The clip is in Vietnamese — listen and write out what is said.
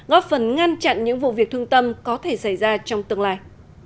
góp phần ngăn chặn những vụ việc thương tâm có thể xảy ra trong tương lai